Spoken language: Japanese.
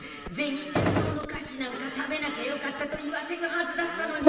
天堂の菓子なんか食べなきゃよかったと言わせるはずだったのに。